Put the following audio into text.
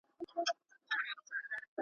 چي له چا سره قدرت وي زور اوشته وي !.